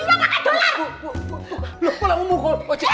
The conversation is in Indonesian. beli apa makan dolar